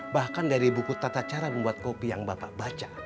bahkan dari buku tata cara membuat kopi yang bapak baca